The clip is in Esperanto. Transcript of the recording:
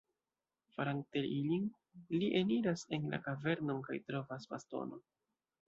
Farante ilin, li eniras en la kavernon kaj trovas bastono.